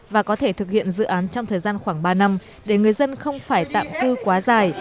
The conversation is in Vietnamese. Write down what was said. và có thể thực hiện dự án trong thời gian khoảng ba năm để người dân không phải tạm cư quá dài